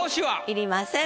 要りません。